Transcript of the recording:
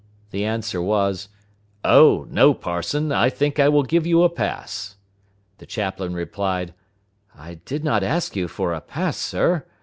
The answer was, "Oh no, parson; I think I will give you a pass." The chaplain replied, "I did not ask you for a pass, sir!